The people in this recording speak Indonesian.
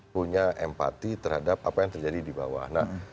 punya empati terhadap apa yang terjadi di bawah